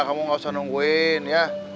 kamu gak usah nungguin ya